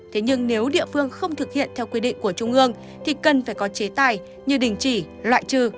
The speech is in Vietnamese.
thế nhưng nếu địa phương không thực hiện theo quy định của trung ương thì cần phải có chế tài như đình chỉ loại trừ